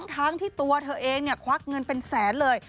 ทั้งที่ตัวเธอเองควักเงินเป็นแสนเลย